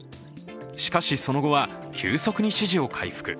しかし、その後は急速に支持を回復。